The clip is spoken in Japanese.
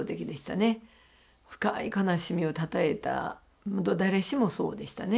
深い悲しみをたたえた誰しもそうでしたね